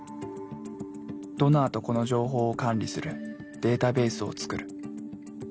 ドナーと子の情報を管理するデータベースを作る。